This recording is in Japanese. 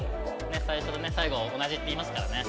最初とね最後同じって言いますからね。